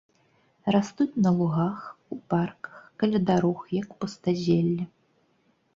Растуць на лугах, у парках, каля дарог, як пустазелле.